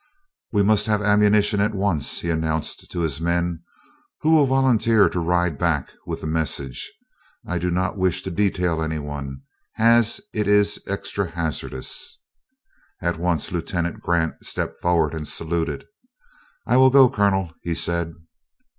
"We must have ammunition at once," he announced to his men. "Who will volunteer to ride back with the message? I do not wish to detail any one, as it is extra hazardous." At once, Lieutenant Grant stepped forward and saluted. "I will go, Colonel," he said.